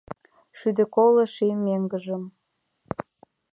Шӱдӧ коло ший меҥгыжым